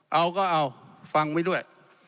เอาก็เอาฟังไว้ด้วย